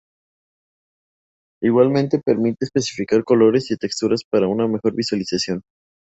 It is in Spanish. Igualmente permite especificar colores y texturas para una mejor visualización.